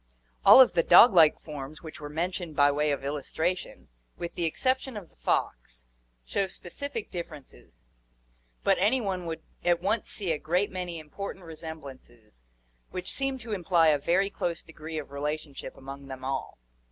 All of the dog like forms which were mentioned by way of illustration, with the exception of the fox, show specific differences, but any one would at once see a great many important resemblances which seem to imply a very close degree of relationship among them all.